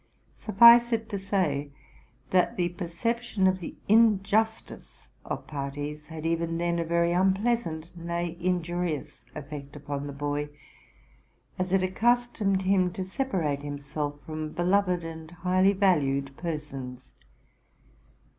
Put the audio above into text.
Suffice it to say, that the perception of the injustice of parties had even then a very unpleasant, nay, an injurious, effect upon the boy ; as it accustomed him to separate himself from beloved and highly valued persons.